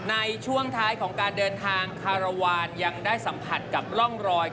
ในช่วงท้ายของการเดินทางคารวาลยังได้สัมผัสกับร่องรอย